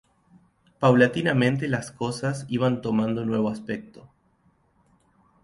Paulatinamente las cosas iban tomando nuevo aspecto.